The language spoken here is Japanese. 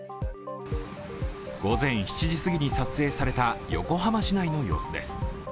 午前７時すぎに撮影された横浜市内の様子です。